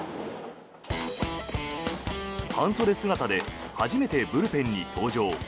半袖姿で初めてブルペンに登場。